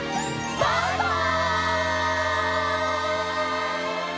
バイバイ！